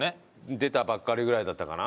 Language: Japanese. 出たばっかりぐらいだったかな？